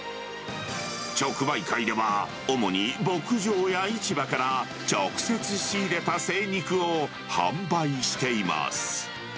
直売会では、主に牧場や市場から直接仕入れた精肉を販売しています。